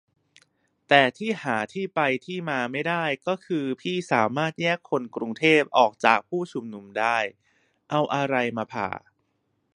แต่ที่หาที่มาที่ไปไม่ได้ ก็คือ พี่สามารถแยกคนกรุงเทพออกจากผู้ชุมนุมได้ ! ? เอาอะไรมาผ่า ?